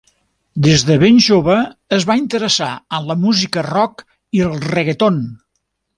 Des de ben jove es va interessar en la música rock i reggaeton.